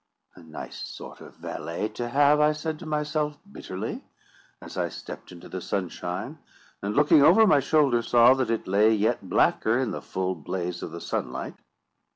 "A nice sort of valet to have," I said to myself bitterly, as I stepped into the sunshine, and, looking over my shoulder, saw that it lay yet blacker in the full blaze of the sunlight.